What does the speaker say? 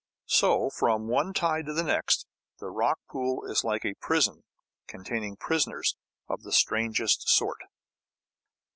So, from one tide to the next, the rock pool is like a prison containing prisoners of the strangest sort.